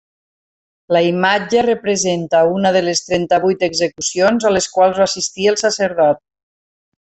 La imatge representa una de les trenta-vuit execucions a les quals va assistir el sacerdot.